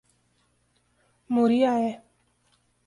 Muriaé